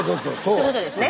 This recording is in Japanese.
そういうことですね。